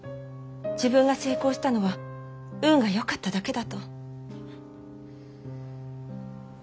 自分が成功したのは運がよかっただけだと。